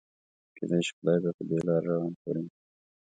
کيدای شي خدای به په دې لاره روان کړي يو.